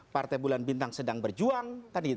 partai bulan bintang sedang berjuang